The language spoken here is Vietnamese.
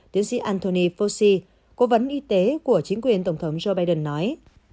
tiến sĩ anthony fosi cố vấn y tế của chính quyền tổng thống joe biden nói